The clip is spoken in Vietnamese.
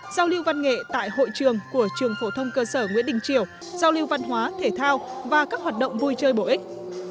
giao lưu văn nghệ tại hội trường của trường phổ thông cơ sở nguyễn đình triều giao lưu văn hóa thể thao và các hoạt động vui chơi bổ ích